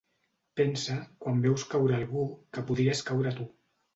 Pensa, quan veus caure algú, que podries caure tu.